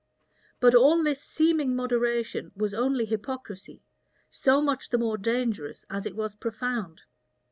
But all this seeming moderation was only hypocrisy, so much the more dangerous as it was profound.